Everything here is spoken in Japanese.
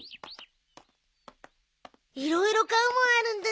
いろいろ買うもんあるんだね。